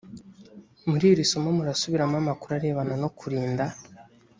muri iri isomo murasubiramo amakuru arebana no kurinda